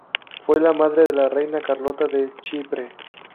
Fue la madre de la reina Carlota de Chipre.